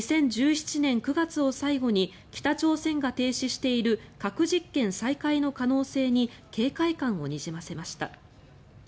２０１７年９月を最後に北朝鮮が停止している核実験再開の可能性に警戒感をにじませました。